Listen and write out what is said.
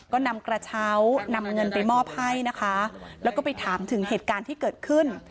ก็นำกระเช้านำเงินไปมอบให้นะคะแล้วก็ไปถามถึงเหตุการณ์ที่เกิดขึ้น